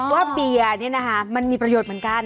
ว่าเบียร์นี่นะคะมันมีประโยชน์เหมือนกัน